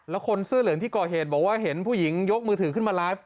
แล้วคนเสื้อเหลืองที่ก่อเหตุบอกว่าเห็นผู้หญิงยกมือถือขึ้นมาไลฟ์